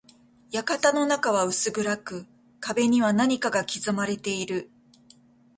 館の中は薄暗く、壁には何かが刻まれている。